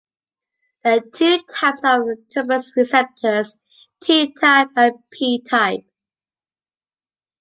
There are two types of tuberous receptors, t-type and p-type.